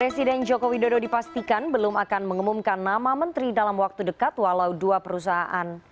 presiden joko widodo dipastikan belum akan mengumumkan nama menteri dalam waktu dekat walau dua perusahaan